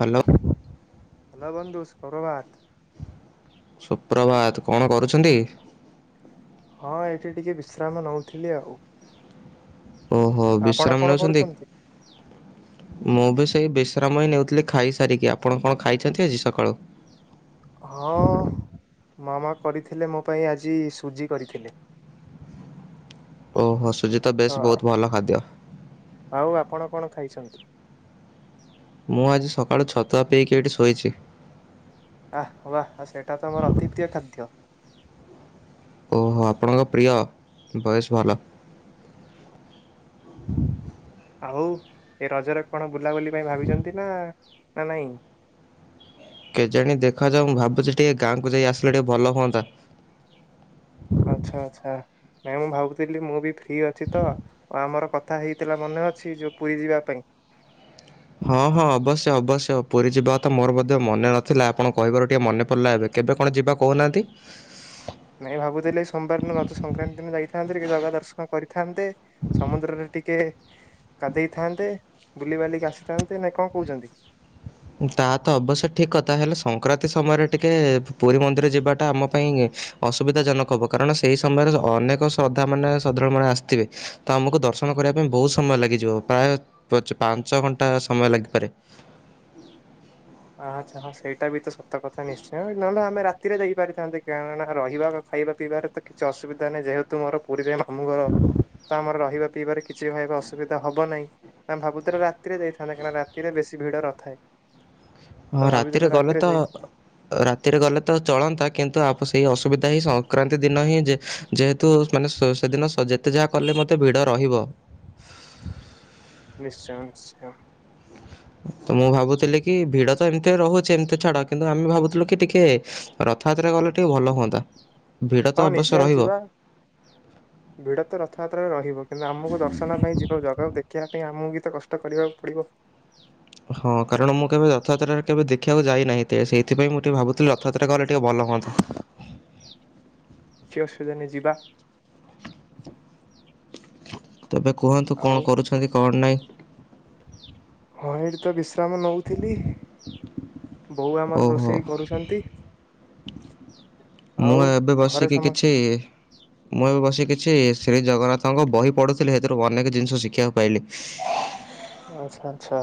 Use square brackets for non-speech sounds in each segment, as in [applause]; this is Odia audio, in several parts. ହାଲୋ। ହାଲୋ ବନ୍ଧୁ, ସୁପ୍ରଭାତ। ସୁପ୍ରଭାତ? କଣ କରୁଛନ୍ତି? ହଁ, ଏଇଠି ଟିକେ ବିଶ୍ରାମ ନୋଉଥିଲି ଆଉ। ଓହୋ, ଆପଣ ବିଶ୍ରାମ କଣ ନୋଉଚନ୍ତି? କରୁଛନ୍ତି? ମୁଁ ବି ସେଇ ବିଶ୍ରାମ ହିଁ ନେଉଥିଲି ଖାଇସାରିକି। ଆପଣ କଣ ଖାଇଛନ୍ତି ଆଜି ସକାଳୁ? ହଁ, ମାମା କରିଥିଲେ ମୋ ପାଇଁ ଆଜି, ସୁଜି କରି ଥିଲେ। ଓହୋ, ସୁଜି ତ ବେଶ୍ ହଁ ବୋହୁତ୍ ଭଲ ଖାଦ୍ୟ। ଆଉ ଆପଣ କଣ ଖାଇଛନ୍ତି? ମୁଁ ଆଜି ସକାଳୁ ଛତୁଆ ପିଇକି ଏଠି ଶୋଇଛି। ଆହାଃ ୱା, ଆଉ ସେଇଟା ତ ମୋର ଅତି ପ୍ରିୟ ଖାଦ୍ୟ। ଓହୋ, ଆପଣଙ୍କ ପ୍ରିୟ। ବେଶ୍ ଭଲ। ଆଉ, ଏ ରଜରେ କଣ ବୁଲାବୁଲି ପାଇଁ ଭାବିଛନ୍ତି ନା, ନା ନାଇଁ? କେଜାଣି ଦେଖା ଯାଉ। ମୁଁ ଭାବୁଛି ଟିକେ ଗାଁ କୁ ଯାଇକି ଆସିଲେ ଟିକେ ଭଲ ହୁଅନ୍ତା। ଆଛା ଆଛା। ନାଇଁ ମୁଁ ଭାବୁଥିଲି, ମୁଁ ବି ଫ୍ରି ଅଛି ତ ଆଉ ଆମର କଥା ହେଇଥିଲା, ମନେ ଅଛି, ଯୋଉ ପୁରୀ ଯିବା ପାଇଁ? ହଁ ହଁ, ଅବଶ୍ୟ ଅବଶ୍ୟ, ପୁରୀ ଯିବା କଥା ମୋର ମଧ୍ୟ ମନେ ନଥିଲା। ଆପଣ କହିବାରୁ ଟିକେ ମନେ ପଡିଲା ଏବେ। କେବେ କଣ ଯିବା କହୁ ନାହାନ୍ତି? ନାଇଁ ଭାବୁ ଥିଲି? ଏଇ ସୋମବାର ଦିନ ରଜ ସଂକ୍ରାନ୍ତି ଦିନ ଯାଇଥାନ୍ତେ। ଟିକେ ଜାଗା ଦର୍ଶନ କରିଥାନ୍ତେ। ସମୁଦ୍ରରେ ଟିକେ ଗାଧେଇଥାନ୍ତେ। ବୁଲିିବାଲିିକି ଆସିଥାନ୍ତେ। ନା କଣ କଉଚନ୍ତି? ତାହା ତ ଅବଶ୍ୟ ଠିକ୍ କଥା। ହେଲେ ସଂକ୍ରାନ୍ତି ସମୟରେ ଟିକେ ପୁରୀ ମନ୍ଦିର ଯିବା ଟା ଆମ ପାଇଁ ଅସୁବିଧା ଜନକ ହବ। କାରଣ ସେଇ ସମୟରେ ଅନେକ ଶ୍ରଦ୍ଧା ମାନେ ଶ୍ରଦ୍ଧାଳୁ ମାନେ ଆସି ଥିବେ। ତ ଆମୁ କୁ ଦର୍ଶନ କରିବା ପାଇଁ ବୋହୁତ୍ ସମୟ ଲାଗି ଯିବ। ପ୍ରାୟେ ପାଞ୍ଚ ପାଞ୍ଚ ଘଣ୍ଟା ସମୟ ଲାଗି ପାରେ। ଆହାଃ ଆଚ୍ଛା। ହଁ ସେଇଟା ବି ତ ସତ କଥା ନିଶ୍ଚୟ। ନହେଲେ ଆମେ ରାତିରେ ଯାଇ ପାରିଥାନ୍ତେ। କାରଣ ନା ହଁ ରହିବା ଖାଇବା ପିଇବାରେ ବି ତ କିଛି ଅସୁବିଧା ନାହିଁ। ଯେହେତୁ ମୋର ପୁରୀରେ ମାମୁଁ ଘର। ତ ଆମର ରହିବା ପିଇବାରେ କିଛି ଭାଇ ଏବେ ଅସୁବିଧା ହବ ନାହିଁ। ତ ଆମେ ଭାବୁଥିଲେ ରାତିରେ ଯାଇଥାନ୍ତେ। କାହିଁକି ନା ରାତିରେ ବେଶୀ ଭିଡ଼ ନ ଥାଏ। ହଁ ରାତିରେ ଗଲେ ତ ଯାଇ ରାତିରେ ଗଲେ ତ ଚଳନ୍ତା। କିନ୍ତୁ ଆପ୍ ସେଇ ଅସୁବିଧା ହିଁ ସଂକ୍ରାନ୍ତି ଦିନ ହିଁ ଯେ ଯେହେତୁ ମାନେ ସ ସେଦିନ ସଜ୍ ଯେତେ ଯାହା କଲେ ମଧ୍ୟ ଭିଡ଼ ରହିବ। ନିଶ୍ଚୟ ନିଶ୍ଚୟ। ତ ମୁଁ ଭାବୁଥିଲି କି ଭିଡ଼ ତ ଏମିତି ରହୁଚି। ସେମିତି ଛାଡ଼ କିନ୍ତୁ ଆମେ ଭାବୁଥିଲୁ କି? ଟିକେ ରଥ ଯାତ୍ରାରେ ଗଲେ ଟିକେ ଭଲ ହୁଅନ୍ତା। ଭିଡ଼ ତ ହଁ ଅବଶ୍ୟ ନିଶ୍ଚୟ ରହିବ। ଯିବା। ଭିଡ଼ ତ ରଥ ଯାତ୍ରାରେ ରହିବ। କିନ୍ତୁ ଆମୁକୁ ଦର୍ଶନ ପାଇଁ ଯିବା। ଜଗାକୁ ଦେଖିବା ପାଇଁ ଆମକୁ ବି ତ କଷ୍ଟ କରିବାକୁ ପଡ଼ିବ। ହଁ। କାରଣ ମୁଁ କେବେ ରଥ ଯାତ୍ରାରେ କେବେ ଦେଖିବାକୁ ଯାଇ ନାହିଁ। ଯେ ସେଇଥିପାଇଁ ମୁଁ ଟିକେ ଭାବୁଥିଲି। ରଥ ଯାତ୍ରାରେ ଗଲେ ଟିକେ ଭଲ ହୁଅନ୍ତା। କିଛି ଅସୁବିଧା ନାହିଁ ଯିବା। ତେବେ କୁହନ୍ତୁ ଆଉ କଣ କରୁଛନ୍ତି କଣ ନାହିଁ? ହଁ ଏଇଠି ତ ବିଶ୍ରାମ ନୋଉଥିଲି। ବୋଉ ଆମର ଓହୋ। ରୋଷେଇ କରୁଛନ୍ତି। ମୁଁ ଆଉ ଏବେ ଘରେ ବସି କି ସମସ୍ତେ କିଛି ମୁଁ ଏବେ ବସି କି କିଛି ଶ୍ରୀ ଜଗନ୍ନାଥଙ୍କ ବହି ପଢ଼ୁଥିଲି। ହେଥିରୁ ଅନେକ ଜିନିଷ ଶିଖିବାକୁ ପାଇଲି। [inaudible] ଆଚ୍ଛା ଆଚ୍ଛା।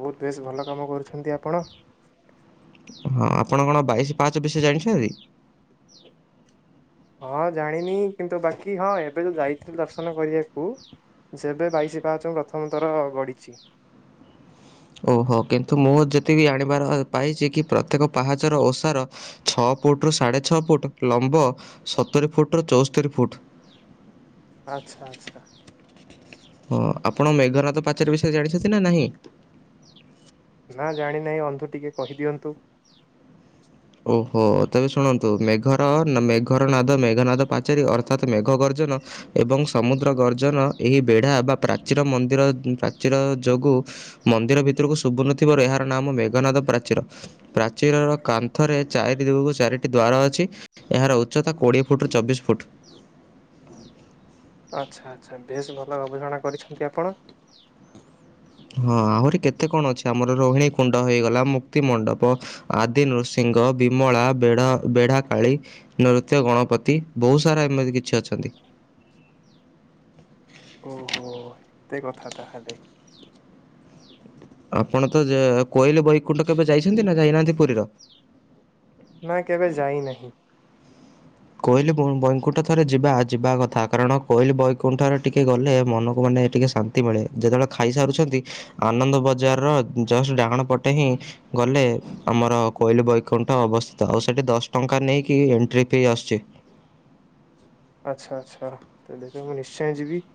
ବୋହୁତ୍ ବେଶ୍ ଭଲ କାମ କରୁଛନ୍ତି ଆପଣ। ହଁ। ଆପଣ କଣ ବାଇଶି ପାହାଚ ବିଷୟରେ ଜାଣିଛନ୍ତି? ହଁ। ଜାଣିନି କିନ୍ତୁ ବାକି ହଁ ଏବେ ତ ଯାଇଥିଲି ଦର୍ଶନ କରିବାକୁ ସେବେ ବାଇଶି ପାହାଚ ପ୍ରଥମ ଥର ଗଡ଼ିଛି। ଓହୋଃ। କିନ୍ତୁ ମୁଁ ଯେତିକି ଆଣିବାର ପାଇଛି କି ପ୍ରତ୍ୟେକ ପାହାଚର ଓସାର ଛଅ ଫୁଟ୍ ରୁ ସାଢ଼େ ଛଅ ଫୁଟ୍। ଲମ୍ବ ସତୁରୀ ଫୁଟ୍ ରୁ ଚଉସ୍ତରୀ ଫୁଟ୍। ଆଚ୍ଛା ଆଚ୍ଛା। ହଁ। ଆପଣ ମେଘନାଦ ପାଚେରୀ ବିଷୟରେ ଜାଣିଛନ୍ତି ନା ନାହିଁ? ନା ଜାଣିନେଇ ବନ୍ଧୁ ଟିକେ କହି ଦିଅନ୍ତୁ। ଓହୋ ତେବେ ଶୁଣନ୍ତୁ ମେଘର ନା ମେଘର ନାଦ ମେଘ ନାଦ ପାଚେରୀ ଅର୍ଥାତ ମେଘ ଗର୍ଜନ ଏବଂ ସମୁଦ୍ର ଗର୍ଜନ ଏହି ବେଢା ବା ପ୍ରାଚୀର ମନ୍ଦିର ଉଁ ପ୍ରାଚୀର ଯୋଗୁଁ ମନ୍ଦିର ଭିତରକୁ ଶୁଭୁନଥିବାରୁ ଏହାର ନାମ ମେଘନାଦ ପ୍ରାଚୀର। ପ୍ରାଚୀରର କା ଥରେ ଚାରିଟି ଦିଗକୁ ଚାରିଟି ଦ୍ୱାର ଅଛି। ଏହାର ଉଚ୍ଚତା କୋଡ଼ିଏ ଫୁଟରୁ ଚବିଶ ଫୁଟ୍। ଆଚ୍ଛା ଆଚ୍ଛା ବେଶ ଭଲ ଗବେଷଣା କରିଛନ୍ତି ଆପଣ। ହଁ ଆହୁରି କେତେ କଣ ଅଛି ଆମର ରୋହିଣୀ କୁଣ୍ଡ, ହେଇଗଲା ମୁକ୍ତିମଣ୍ଡପ, ଆଦି ନୃସିଂଙ୍ଘ, ବିମଳା, ବେଢା ବେଢା କାଳୀ, ନୃତ୍ୟ ଗଣପତି। ବହୁତ ସାରା ଏମିତି କିଛି ଅଛନ୍ତି। ଓହୋ ଏତେ କଥା ତାହାଲେ। ଆପଣ ତ ଯେ କୋଇଲି ବୈକୁଣ୍ଠ କେବେ ଯାଇଛନ୍ତି ନା ଯାଇନାହାନ୍ତି ପୁରୀର? ନା କେବେ ଯାଇନାହିଁ। କୋଇଲି ବୈଇଁ ବୈକୁଣ୍ଠ ଥରେ ଯିବା ଯିବା କଥା। କାରଣ କୋଇଲି ବୈକୁଣ୍ଠରେ ଟିକେ ଗଲେ ମନକୁ ମାନେ ଟିକେ ଶାନ୍ ନ୍ତି ମିଳେ। ଯେତେବେଳେ ଖାଇସାରୁଛନ୍ତି, ଆନନ୍ଦ ବଜାରର ଜଷ୍ଟ ଡାହାଣ ପଟେ ହିଁ ଗଲେ, ଆମର କୋଇଲି ବୈକୁଣ୍ଠ ଅବସ୍ଥିତ। ଆଉ ସେଠି ଦଶ ଟଙ୍କା ନେଇକି ଏଣ୍ଟଟ୍ରୀ ଫି ଆସୁଚି। ଆଚ୍ଛା ଆଛା, ତେବେ ତ ମୁଁ ନିଶ୍ଚୟ ଯିବି।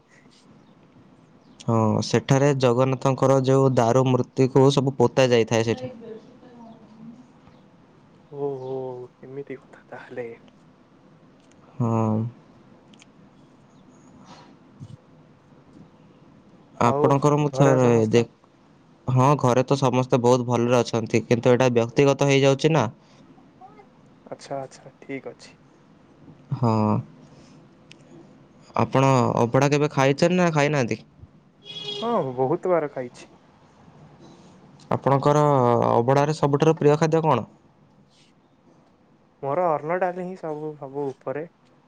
ହଁ ସେଠାରେ ଜଗନ୍ନାଥଙ୍କର ଯେଉଁ ଦାରୁ ମୂର୍ତ୍ତିକୁ ସବୁ ପୋତା ଯାଇଥାଏ ସେଠି। ଓହୋ ଏମିତି କଥା ତାହେଲେ। ହଁ। [inaudible] ଆଉ ଆପଣଙ୍କର ମୁଁ ଘରେ ଥରେ ସମସ୍ତ ଦେ ହଁ ଘରେ ତ ସମସ୍ତେ ବୋହୁତ୍ ଭଲରେ ଅଛନ୍ତି। କିନ୍ତୁ ଏଇଟା ବ୍ୟକ୍ତିଗତ ହେଇଯାଉଚି ନା। ଆଚ୍ଛା ଆଚ୍ଛା ଠିକ୍ ଅଛି। ହଁ। ଆପଣ ଅବଡ଼ା କେବେ ଖାଇଚନ୍ତି ନା ଖାଇନାହାନ୍ତି? ହଁ ବୋହୁତ୍ ବାର୍ ଖାଇଛି। ଆପଣଙ୍କର ଅବଡ଼ାରେ ସବୁଠାରୁ ପ୍ରିୟ ଖାଦ୍ୟ କଣ? ମୋର ଅର୍ଣ୍ଣଡାଲି ହିଁ ସବୁ ସବୁ ଉପରେ।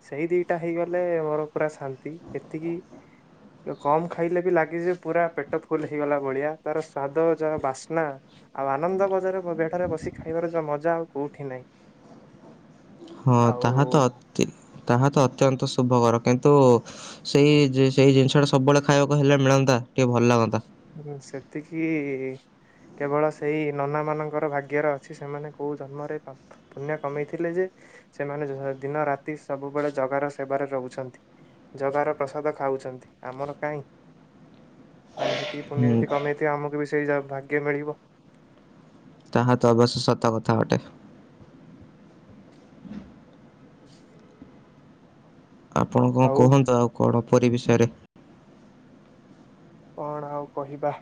ସେଇ ଦିଇଟା ହେଇଗଲେ ମୋର ପୁରା ଶାନ୍ତି। ଏତିକି କମ୍ ଖାଇଲେ ବି ଲାଗେଯେ ପୁରା ପେଟ ଫୁଲ୍ ହେଇଗଲା ଭଳିଆ। ତାର ସ୍ଵାଦ ଯାହା ବାସ୍ନା ଆଉ ଆନନ୍ଦ ବଜାର ବ ବେଢାରେ ବସିି ଖାଇବାର ଯୋଉ ମଜା ଆଉ କୋଉଠି ନାହିଁ। ହଁ ଆଉ ତାହା ଅତି- ତାହା ତ ଅତ୍ୟନ୍ତ ଶୁଭକର। କିନ୍ତୁ ସେଇ ଜି ସେଇ ଜିନିଷ ଟା ସବୁବେଳେ ଖାଇଆକୁ ହେଲେ ମିଳନ୍ତା ଟିକେ ଭଲ ଲାଗନ୍ତା। ହୁଁ ସେତିକି କେବଳ ସେଇ ନନାମାନଙ୍କର ଭାଗ୍ୟରେ ଅଛି। ସେମାନେ କୋଉଁ ଜନ୍ମରେ ପା ପୁଣ୍ୟ କମେଇଥିଲେ ଯେ, ସେମାନେ ଜ ଦିନ ରାତି ସବୁବେଳେ ଜଗାର ସେବାରେ ରହୁଛନ୍ତି। ଜଗାର ପ୍ରସାଦ ଖାଉଚନ୍ତି ଆମର କାହିଁ? ଆମେ ହେ ଏତିକି ପୁଣ୍ୟ ହୁଁ ଯଦି କମେଇଥିଆ ଆମକୁ ବି ସେଇ ଯା ଭାଗ୍ୟ ମିଳିବ। ତାହା ତ ଅବଶ୍ୟ ସତ କଥା ଅଟେ। [inaudible] ଆପଣ କଣଁ କୁହନ୍ତୁ ଆଉ କଣଁ ପୁରୀ ବିଷୟରେ? କଣ ଆଉ କହିବା?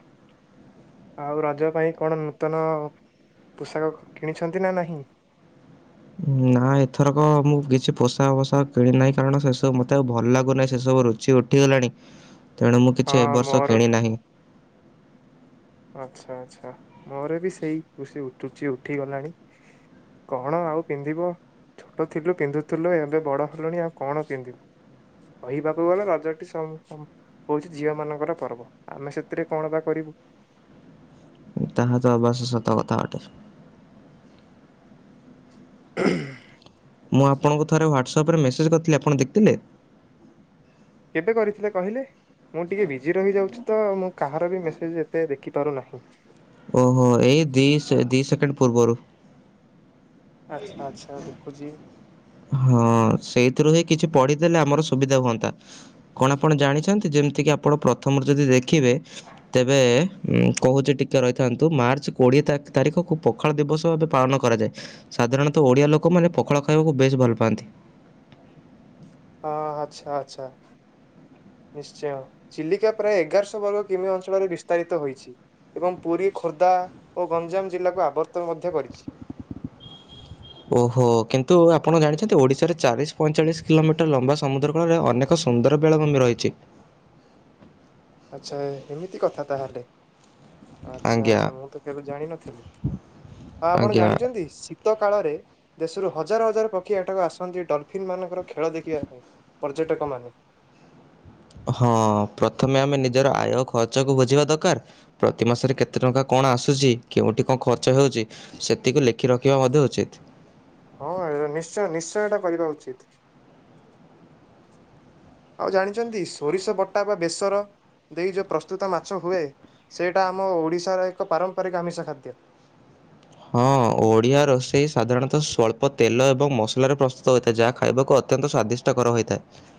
ଆଉ ରଜ ପାଇଁ କଣ ନୂତନ ପୋଷାକ କିଣିଛନ୍ତି ନା ନାହିଁ? ନା ଏଥରକ ମୁଁ କିଛି ପୋଷାକ ଫୋଷାକ କିଣି ନାହିଁ। କାରଣ ସେସବୁ ମତେ ଆଉ ଭଲ୍ ଲାଗୁନାହିଁ ସେସବୁ ରୁ ସେ ଉଠିଗଲାଣି। ତେଣୁ ମୁଁ ହଁ କିଛି ଏବର୍ଷ ମୋର କିଣି ନାହିଁ। ଆଚ୍ଛା ଆଚ୍ଛା, ମୋର ବି ସେଇ ରୁଷି ଉଠିଚି ଉଠିଗଲାଣି। କଣ ଆଉ ପିନ୍ଧିବ? ଛୋଟ ଥିଲୁ ପିନ୍ଧୁଥିଲୁ। ଏବେ ବଡ଼ ହେଲଣି ଆଉ କଣ ପିନ୍ଧିବୁ? କହିବାକୁ ଗଲେ ରଜଟି ସମୁ ସ ହୋଉଛି ଝିଅ ମାନଙ୍କର ପର୍ବ। ଆମେ ସେଥିରେ କଣ ବା କରିବୁ। ତାହା ତ ଅବାଶ୍ୟ ସତ କଥା ଅଟେ। ହୁଁ [unintelligible] ମୁଁ ଆପଣଙ୍କୁ ଥରେ ହ୍ୱାଟ୍ସ୍ ସପ୍ ରେ ମେସେଜ୍ କରିଥିଲି, ଆପଣ ଦେଖିଥିଲେ? କେବେ କରିଥିଲେ କହିଲେ? ମୁଁ ଟିକେ ବିଜି ରହିଯାଉଛି ତ, ମୁଁ କାହାର ବି ମେସେଜ୍ ଏତେ ଦେଖିପାରୁନାହିଁ। ଓହୋ। ଏଇ ଦି ସେକ୍-ଦି ସେକେଣ୍ଡ ପୂର୍ବରୁ। ଆଚ୍ଛା ଆଚ୍ଛା, ଦେଖୁଛି। ହଁ, ସେଇଥିରୁ ହିଁ କିଛି ପଢିଦେଲେ ଆମର ସୁବିଧା ହୁଅନ୍ତା। କଣ ଆପଣ ଜାଣିଛନ୍ତି ଯେମିତି କିି ଆପଣ ପ୍ରଥମରୁ ଯଦି ଦେଖିବେ ତେବେ କହୁଛି ଟିକେ ରହିଥାନ୍ତୁ ମାର୍ଚ୍ଚ କୋଡ଼ିଏ ତାକ ତାରିଖ କୁ ପ ଖାଳ ଦିବସ ଭାବେ ପାଳନ କରାଯାଏ। ସାଧାରଣତଃ ଓଡ଼ିଆ ଲୋକମାନେ ପଖାଳ ଖାଇବାକୁ ବେଶ୍ ଭଲ ପାଆନ୍ତି। ହଁ, ଆଚ୍ଛା ଆଚ୍ଛା। ନିଶ୍ଚୟ ଚିଲିକା ପ୍ରାୟ ଏଗାରଶହ ବର୍ଗ କିମି ଅଞ୍ଚଳରେ ବିସ୍ତାରିତ ହୋଇଛି। ଏବଂ ପୁରୀ ଖୋର୍ଦ୍ଧା ଓ ଗଞ୍ଜାମ ଜିଲ୍ଲାକୁ ଆବର୍ତ୍ତନ ମଧ୍ୟ କରିଛି। ଓହୋ କିନ୍ତୁ ଆପଣ ଜାଣିଛନ୍ତି ଓଡ଼ିଶାରେ ଚାଳିଶି ପଇଁଚାଳିଶି କିଲୋମିଟର ଲମ୍ବା ସମୁଦ୍ର କଳରେ ଅନେକ ଏକ ସୁନ୍ଦର ବେଳାଭୂମି ରହିଛି। ଆଚ୍ଛା ହେମିତି କଥା ତାହେଲେ ଆଚ୍ଛା ଆଜ୍ଞା ଆଚ୍ଛା ମୁଁ ତ କେବେ ଜାଣିନଥିଲି। ଆପଣ ଆଜ୍ଞା ଜାଣିଛନ୍ତି ଶି ସିତ କାଳରେ ଦେଶରୁ ହଜାର ହଜାର ପକ୍ଷୀ ଏଠାକୁ ଆସନ୍ତି ଡଲଫିନ୍ ମାନଙ୍କର ଖେଳ ଦେଖିବା ପାଇଁ। ପର୍ଯ୍ୟଟକ ମାନେ। ହଁ, ପ୍ରଥମେ ଆମେ ନିଜର ଆୟ ଖର୍ଚ୍ଚକୁ ବୁଝିବା ଦରକାର ପ୍ରତି ମାସରେ କେତେ ଟଙ୍କା କଣ ଆସୁଛି କେଉଁଠି କଣ ଖର୍ଚ୍ଚ ହେଉଛି ସେତିକି ଲେଖି ରଖିବା ମଧ୍ୟ ଉଚିତ୍। ହଁ ଏ ନିଶ୍ଚୟ ନିଶ୍ଚୟ ଏଟା କରିବା ଉଚିତ୍। ଆଉ ଜାଣିଛନ୍ତି ସୋରିଷ ବଟା ବା ବେସର ଦେଇ ଯେଉଁ ପ୍ରସ୍ତୁତ ମାଛ ହୁଏ ସେଇଟା ଆମ ଓଡ଼ିଶାର ଏକ ପାରମ୍ପରିକ ଆମିଷ ଖାଦ୍ୟ। ହଁ, ଓଡ଼ିଆ ରୋଷେଇ ସାଧାରଣତଃ ସ୍ୱଳ୍ପ ତେଲ ଏବଂ ମସଲାରେ ପ୍ରସ୍ତୁତ ହୋଇଥାଏ ଯାହା ଖାଇବାକୁ ଅତ୍ୟନ୍ତ ସ୍ଵାଦିଷ ଷ୍ଟକର ହୋଇଥାଏ।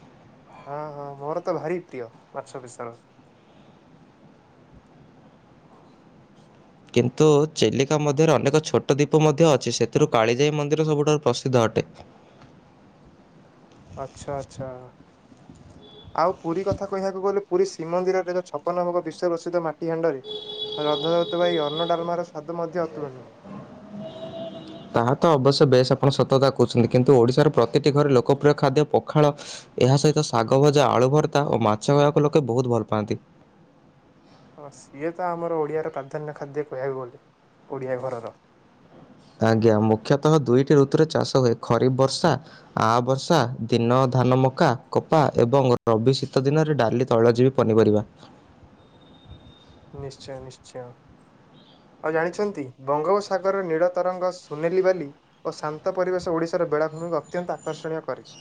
ହଁ ହଁ ମୋର ତ ଭାରି ପ୍ରିୟ ମାଛ ବେସର। [inaudible] କିନ୍ତୁ ଚେଲିକା ମଧ୍ୟରେ ଅନେକ ଛୋଟ ଦ୍ୱୀପ ମଧ୍ୟ ଅଛି ସେଥିରୁ କାଳିଜାଇ ମନ୍ଦିର ସବୁଠାରୁ ପ୍ରସିଦ୍ଧ ଅଟେ। ଆଚ୍ଛା ଆଚ୍ଛା। [inaudible] ଆଉ ପୁରୀ କଥା କହିବାକୁ ଗଲେ ପୁରୀ ଶ୍ରୀମନ୍ଦିରରେ ଛପନ ଭୋଗ ବିଶ୍ୱ ପ୍ରସିଦ୍ଧ ମାଟି ହାଣ୍ଡରେ ରଧ ଦଉଥିବା ଏଇ ଅର୍ଣ୍ଣ ଡାଲ୍ମାର ସ୍ଵାଦ ମଧ୍ୟ ଅତୁଳନୀୟ। ତାହା ତ ଅବଶ୍ୟ ବେଶ୍ ଆପଣ ସତତା କହୁଛନ୍ତି। କିନ୍ତୁ, ଓଡ଼ିଶାର ପ୍ରତିଟି ଘରେ ଲୋକପ୍ରିୟ ଖାଦ୍ୟ ପଖାଳ ଏହା ସହିତ ଶାଗ ଭଜା ଆଳୁ ଭର୍ତ୍ତା ଓ ମାଛ ଖାଇବାକୁ ଲୋକେ ବହୁତ୍ ଭଲ ପାଆନ୍ତି। ହଁ, ସିଏ ତ ଆମର ଓଡ଼ିଆର ପ୍ରାଧାନ୍ୟ ଖାଦ୍ୟ କହିବାକୁ ଗଲେ ଓଡ଼ିଆ ଘରର। ଆଜ୍ଞା, ମୁଖ୍ୟତଃ ଦୁଇଟି ଋତୁରେ ଚାଷ ହୁଏ ଖରିଫ୍ ବର୍ଷା ଆ ବର୍ଷା ଦିନ ଧାନ, ମକା, କପା ଏବଂ ରବି ଶୀତ ଦିନରେ ଡାଲି ତୈଳ ଜୀବି, ପନିପରିବା। ନିଶ୍ଚୟ ନିଶ୍ଚୟ। ଆଉ ଜାଣିଛନ୍ତି ବଙ୍ଗୋପସାଗର ନୀଳ ତରଙ୍ଗ ସୁନେଲି ବାଲି ଓ ଶାନ୍ତ ପରିବେଶ ଓଡିଶାର ବେଳାଭୂମିକୁ ଅତ୍ୟନ୍ତ ଆକର୍ଷଣୀୟ କରିଛି।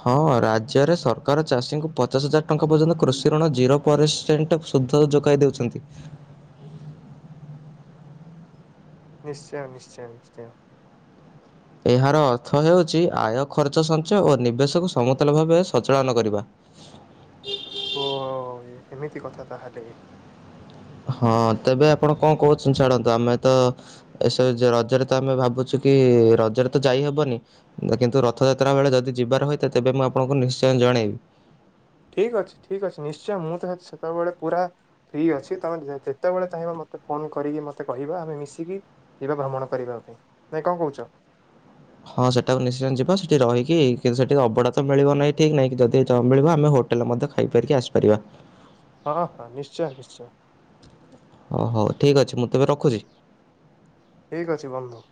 ହଁ, ରାଜ୍ୟରେ ସରକାର ଚାଷୀଙ୍କୁ ପଚାଶ ହଜାର ଟଙ୍କା ପର୍ଯ୍ୟନ୍ତ କୃଷିଋଣ ଜିରୋ ପରସେଣ୍ଟ ସୁଧତା ଯୋଗାଇ ଦେଉଛନ୍ତି। ନିଶ୍ଚୟ ନିଶ୍ଚୟ ନିଶ୍ଚୟ। ଏହାର ଅର୍ଥ ହେଉଛି ଆୟ ଖର୍ଚ୍ଚ ସଞ୍ଚୟ ଓ ନିବେଶକୁ ସମତଲ ଭାବେ ସଚାଳନ କରିବା। ଓ ଏମିତି କଥା ତାହାଲେ। ହଁ, ତେବେ ଆପଣ କଣ କହୁଛନ୍ତି ଛାଡ଼ନ୍ତୁ ଆମେ ତ ଏସଜ ରଜରେ ତ ଆମେ ଭାବୁଛୁ କି ରଜରେ ତ ଯାଇହବନି କିନ୍ତୁ ରଥଯାତ୍ରା ବେଳେ ଯଦି ଯିବାର ହୋଇଥାଏ ତେବେ ମୁଁ ଆପଣଙ୍କୁ ନିଶ୍ଚୟ ଜଣେଇବି। ଠିକ୍ ଅଛି ଠିକ୍ ଅଛି ନିଶ୍ଚୟ ମୁଁ ତ ସେତେବେଳେ ପୁରା ଫ୍ରି ଅଛି ତମେ ଯେତେବେଳେ ଚାହିଁବ ମୋତେ ଫୋନ୍ କରିକି ମୋତେ କହିବ ଆମେ ମିଶିକି ଯିବା ଭ୍ରମଣ କରିବା ପାଇଁ ନାଇଁ କଣ କହୁଚ? ହଁ ସେଟା ନିଶ୍ଚୟ ଯିବା ସେଠି ରହିକି କିନ୍ତୁ ସେଠି ଅବଢ଼ାତ ମିଳିବ ନାହିଁ ଠିକ୍ ନାଇଁ ଯଦି ନମିଳିବ ଆମେ ହୋ ହୋଟେଲ୍ ମଧ୍ୟ ଖାଇପାରିକି ଆସିପାରିବା। ହଁ ହଁ ନିଶ୍ଚୟ ନିଶ୍ଚୟ। ହଉ ହଉ ଠିକ୍ ଅଛି ମୁଁ ତେବେ ରଖୁଚି! ଠିକ୍ ଅଛି ବନ୍ଧୁ।